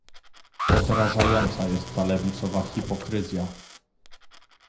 Odrażająca jest ta lewicowa hipokryzja